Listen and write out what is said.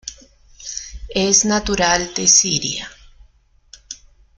Es natural de Siria.